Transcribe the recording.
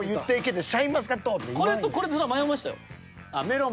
これとこれで迷いましたよ。